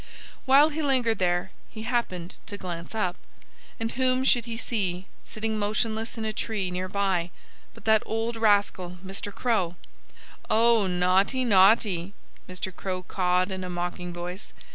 While he lingered there he happened to glance up. And whom should he see, sitting motionless in a tree near by, but that old rascal, Mr. Crow! "Oh! Naughty, naughty!" Mr. Crow cawed in a mocking voice.